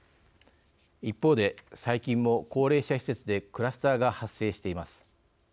一方で、最近も高齢者施設でクラスターが発生しています。